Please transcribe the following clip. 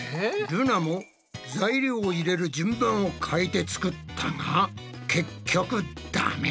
ルナも材料を入れる順番を変えて作ったが結局ダメ。